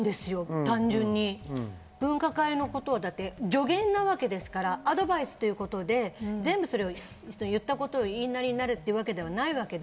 分科会のことは助言なわけですから、アドバイスということで言ったことのいいなりになるってわけではないわけで。